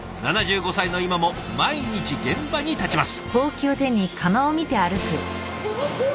７５歳の今も毎日現場に立ちます。